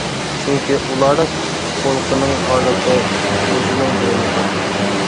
چۈنكى ئۇلارنىڭ ئىككى قۇلىقىنىڭ ئارىلىقى ئۆزىنىڭ بوينىدا.